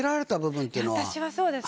私はそうです